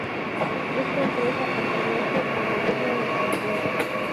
Esta empresa pertenece al gobierno de Camerún.